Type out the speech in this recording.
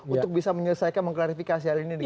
untuk bisa menyelesaikan mengklarifikasi hal ini dengan baik